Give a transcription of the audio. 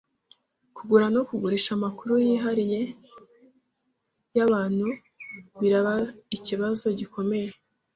Kugura no kugurisha amakuru yihariye yabantu biraba ikibazo gikomeye